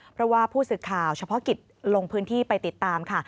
เพราะว่าผู้สื่อข่าวเฉพาะกิจลงพื้นที่ไปติดตามค่ะ